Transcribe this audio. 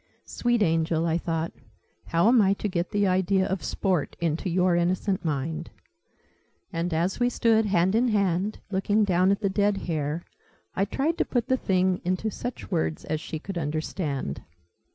"Sweet angel!" I thought. "How am I to get the idea of Sport into your innocent mind?" And as we stood, hand in hand, looking down at the dead hare, I tried to put the thing into such words as she could understand.